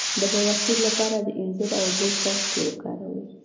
د بواسیر لپاره د انځر او اوبو څاڅکي وکاروئ